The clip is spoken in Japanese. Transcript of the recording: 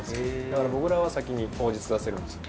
だから僕らは先に当日出せるんですよ。